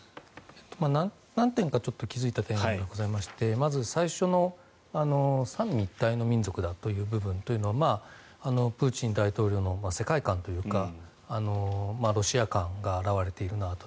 何点か気付いた点がございましてまず最初の三位一体の民族だという部分はプーチン大統領の世界観というかロシア観が表れているなと。